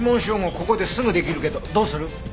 ここですぐできるけどどうする？